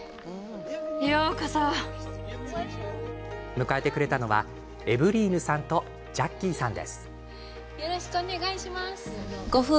迎えてくれたのはエヴリーヌさんとジャッキーさん。